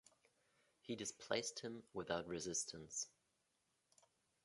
He displaced him without resistance.